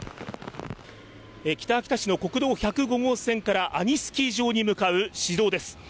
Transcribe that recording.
北秋田市の国道１０５号線から阿仁スキー場に向かう市道です。